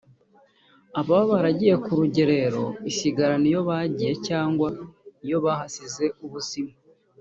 ababa baragiye ku rugerero isigarana iyo bagiye cyangwa iyo bahasize ubuzima